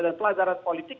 dan pelajaran politik